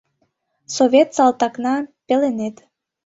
Совет салтакна, пеленет